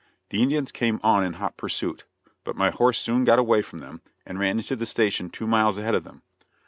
The Indians came on in hot pursuit, but my horse soon got away from them, and ran into the station two miles ahead of them.